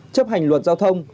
chấp hành luật giao thông